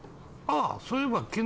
「ああそういえば」